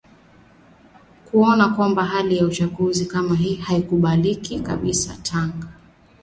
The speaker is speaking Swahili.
kuona kwamba hali ya uchaguzi kama hii haikubalika kabisa tunge